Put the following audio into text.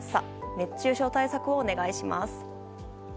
熱中症対策をお願いします。